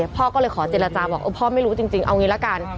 ผอไม่รู้จริงเอาที่นี่ล่ะกัน